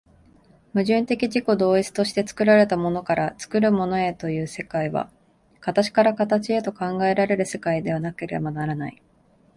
矛盾的自己同一として作られたものから作るものへという世界は、形から形へと考えられる世界でなければならない。